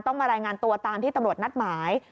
มารายงานตัวตามที่ตำรวจนัดหมาย